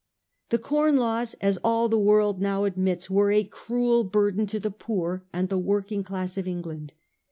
• The Corn Laws, as all the world now admits, were a cruel burden to the poor and the working class of England.